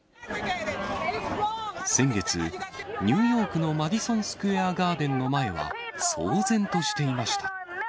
先月、ニューヨークのマディソン・スクエア・ガーデンの前は、騒然としていました。